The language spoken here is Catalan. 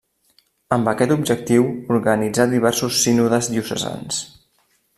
Amb aquest objectiu, organitzà diversos sínodes diocesans.